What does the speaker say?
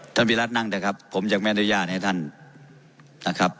วิรัตินั่งเถอะครับผมยังไม่อนุญาตให้ท่านนะครับ